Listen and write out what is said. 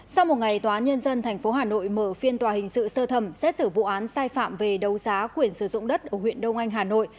sau một ngày tòa nhân dân tp hà nội mở phiên tòa hình sự sơ thẩm xét xử vụ án sai phạm về đấu giá quyền sử dụng đất ở huyện đông anh hà nội